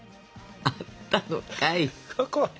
あったのかい。